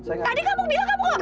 saya gak kenal